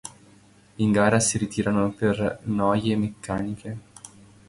In gara si ritirarono per noie meccaniche.